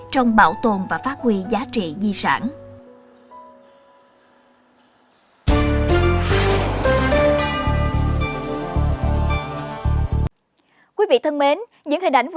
trong bảo tồn và phát huy giá trị di sản